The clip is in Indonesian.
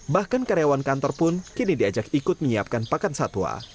bahkan karyawan kantor pun kini diajak ikut menyiapkan pakan satwa